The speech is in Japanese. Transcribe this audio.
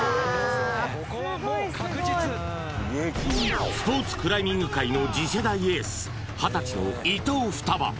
ここはもう確実スポーツクライミング界の次世代エース二十歳の伊藤ふたば